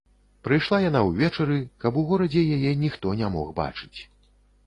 Прыйшла яна ўвечары, каб у горадзе яе ніхто не мог бачыць.